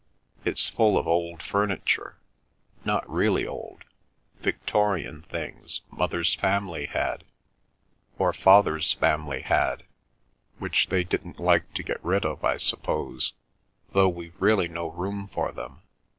It's full of old furniture, not really old, Victorian, things mother's family had or father's family had, which they didn't like to get rid of, I suppose, though we've really no room for them.